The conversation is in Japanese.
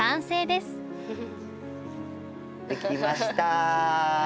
できました！